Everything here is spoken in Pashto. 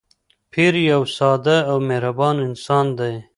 پییر یو ساده او مهربان انسان دی.